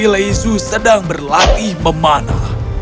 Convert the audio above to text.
permaisuri lezu sedang berlatih memanah